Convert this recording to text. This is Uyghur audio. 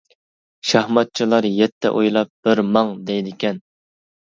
شاھماتچىلار يەتتە ئويلاپ، بىر ماڭ، دەيدىكەن.